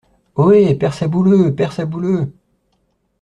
Ohé ! père Sabouleux ! père Sabouleux !